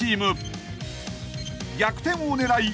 ［逆転を狙い